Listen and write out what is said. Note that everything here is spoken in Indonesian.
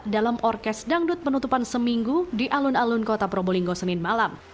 dalam orkes dangdut penutupan seminggu di alun alun kota probolinggo senin malam